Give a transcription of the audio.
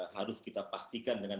harus kita pastikan dengan